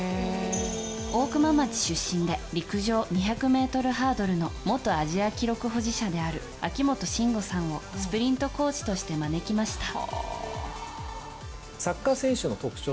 大熊町出身で陸上２００ｍハードルの元アジア記録保持者である秋本真吾さんをスプリントコーチとして招きました。